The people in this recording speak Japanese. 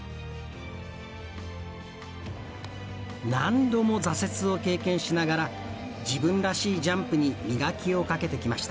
何度も挫折を経験しながら自分らしいジャンプに磨きをかけてきました。